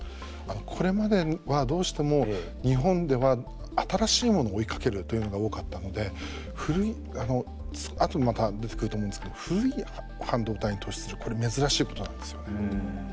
これまではどうしても日本では新しいものを追いかけるというのが多かったので後でまた出てくると思うんですけど古い半導体に投資するこれ珍しいことなんですよ。